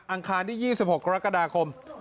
คารที่๒๖กรกฎาคม